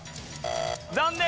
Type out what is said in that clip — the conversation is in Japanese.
残念！